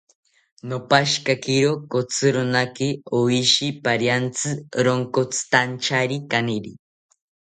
Nopashikakiro kotzironaki oshi pariantzi ronkotzitantyari kaniri